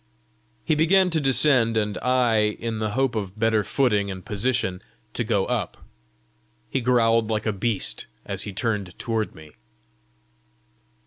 He began to descend, and I, in the hope of better footing and position, to go up. He growled like a beast as he turned toward me.